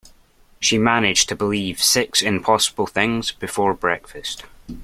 She managed to believe six impossible things before breakfast